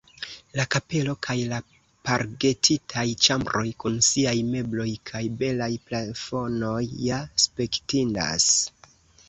La kapelo kaj la pargetitaj ĉambroj kun siaj mebloj kaj belaj plafonoj ja spektindas.